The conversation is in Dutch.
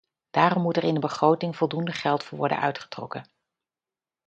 Daarom moet er in de begroting voldoende geld voor worden uitgetrokken.